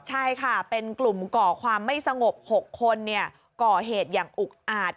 ใช่ค่ะเป็นกลุ่มก่อความไม่สงบ๖คนก่อเหตุอย่างอุกอาจ